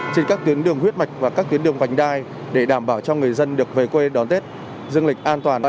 trên các tuyến đường huyết mạch và các tuyến đường vành đai để đảm bảo cho người dân được về quê đón tết dương lịch an toàn